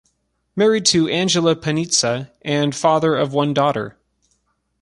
Married to Angela Panizza and father of one daughter.